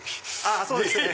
そうですね。